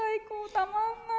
たまんない。